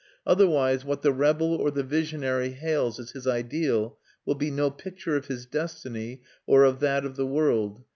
Otherwise what the rebel or the visionary hails as his ideal will be no picture of his destiny or of that of the world.